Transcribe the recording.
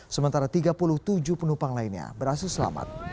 sementara tiga puluh tujuh penumpang lainnya berhasil selamat